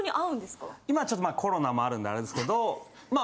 今はちょっとコロナもあるんであれですけどまあ。